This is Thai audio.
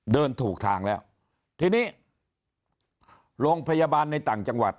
ถูกทางแล้วทีนี้โรงพยาบาลในต่างจังหวัด